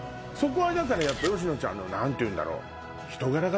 そこはだからやっぱ吉野ちゃんの何ていうんだろう？